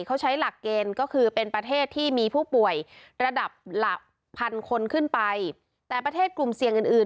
เขาใช้หลักเกณฑ์ก็คือเป็นประเทศที่มีผู้ป่วยระดับหลักพันคนขึ้นไปแต่ประเทศกลุ่มเสี่ยงอื่นอื่น